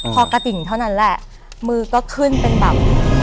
พอกระติ่งเท่านั้นแหละมือก็ขึ้นเป็นแบบ